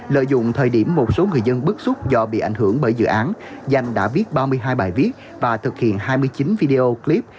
lợi dụng thời điểm một số người dân bức xúc do bị ảnh hưởng bởi dự án danh đã viết ba mươi hai bài viết và thực hiện hai mươi chín video clip